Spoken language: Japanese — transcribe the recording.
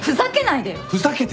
ふざけてないよ！